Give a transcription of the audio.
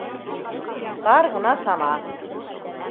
Тар ғына сана.